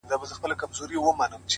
د ژوند كولو د ريښتني انځور.